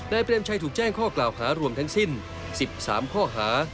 ได้เปรียบใช้ถูกแจ้งข้อกล่าวค้ารวมทั้งสิ้น๑๓ข้อค้า